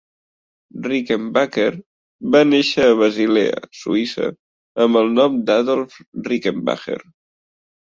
Rickenbacker va néixer a Basilea, Suïssa, amb el nom d'Adolf Rickenbacher.